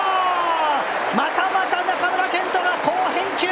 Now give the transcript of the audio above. またまた中村健人が好返球。